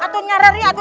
aku nyarari aku